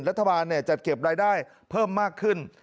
รัฐบาลจัดเก็บรายได้เพิ่มมากขึ้น